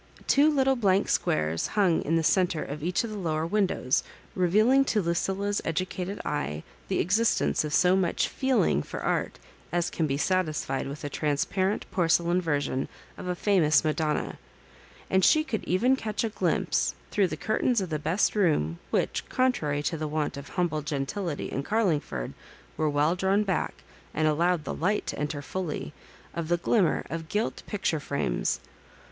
Two little blank squares hung in the centre of each of the lower windows, revealed to Lucinda's educated eye the existence of so much '^ feeling " for art as can be satisfied with a transparent porcelain version of a famous Madon na ; and she eould even catch a glimpse, through the curtains of the best room — which, contrary to the wont of humble gentility in Carlmgford, were well drawn back, and allowed the light to enter fully— of the glimmer of gdt picture frames.